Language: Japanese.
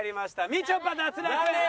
みちょぱ脱落です。